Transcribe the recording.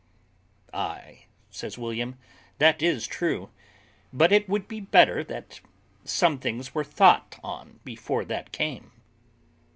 "Ay," says William, "that is true; but it would be better that some things were thought on before that came."